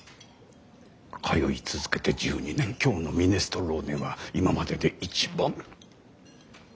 通い続けて１２年今日のミネストローネは今までで一番。